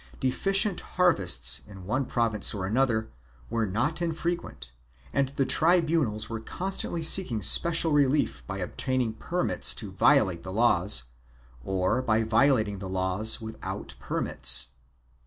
Deficient harvests, in one province or another, were not infrequent and the tribunals were constantly seeking special relief by obtaining permits to violate the laws, or by violating the laws without permits.